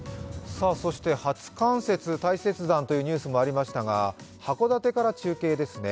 初冠雪、大雪山というニュースもありましたが、函館から中継ですね。